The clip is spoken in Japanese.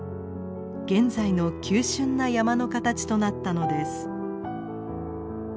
現在の急しゅんな山の形となったのです。